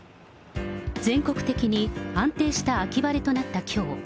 全国的に安定した秋晴れとなったきょう。